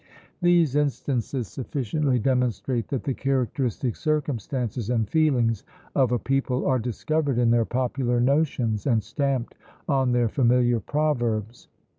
These instances sufficiently demonstrate that the characteristic circumstances and feelings of a people are discovered in their popular notions, and stamped on their familiar proverbs.